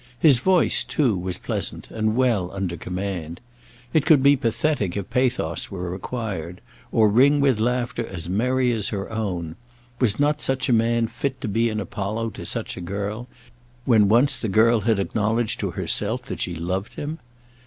His voice, too, was pleasant, and well under command. It could be pathetic if pathos were required, or ring with laughter as merry as her own. Was not such a man fit to be an Apollo to such a girl, when once the girl had acknowledged to herself that she loved him?